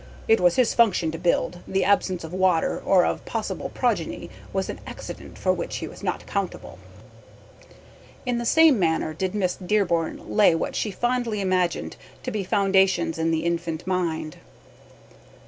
It was his function to build, the absence of water or of possible progeny was an accident for which he was not accountable." In the same manner did Miss Dearborn lay what she fondly imagined to be foundations in the infant mind.